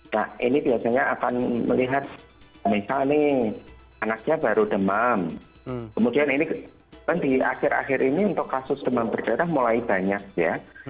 nah ini biasanya akan melihat misal nih anaknya baru demam kemudian ini kan di akhir akhir ini untuk kasus demam berdarah mulai banyak ya